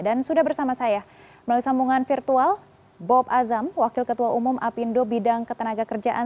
dan sudah bersama saya melalui sambungan virtual bob azam wakil ketua umum apindo bidang ketenaga kerjaan